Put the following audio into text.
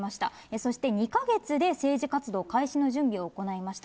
そして２か月で政治活動開始の準備を行いました。